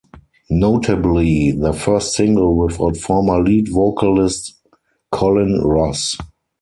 Notably, their first single without former lead vocalist Colin Ross.